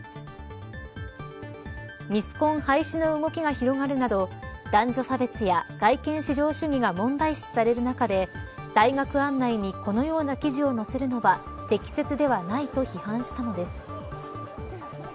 ミスコン廃止の動きが広がるなど男女差別や外見至上主義が問題視される中で大学案内にこのような記事を載せるのは適切ではないと批判したのです。